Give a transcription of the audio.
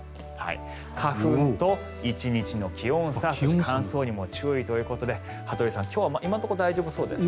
花粉と１日の気温差乾燥にも注意ということで羽鳥さん、今日は今のところ大丈夫そうですね。